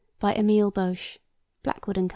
By Emile Bauche. (Blackwood and Co.)